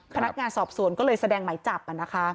พนักงานสอบสวนก็เลยแสดงหมายจับ